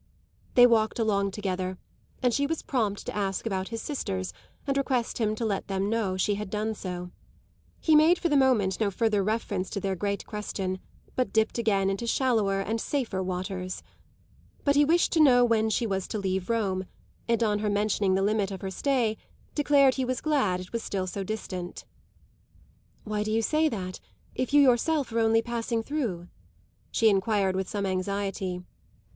They walked along together, and she was prompt to ask about his sisters and request him to let them know she had done so. He made for the moment no further reference to their great question, but dipped again into shallower and safer waters. But he wished to know when she was to leave Rome, and on her mentioning the limit of her stay declared he was glad it was still so distant. "Why do you say that if you yourself are only passing through?" she enquired with some anxiety.